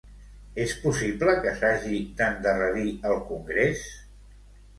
És possible que s'hagi d'endarrerir el congrés?